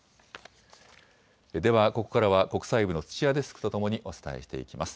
ではここからは国際部の土屋デスクとともにお伝えしていきます。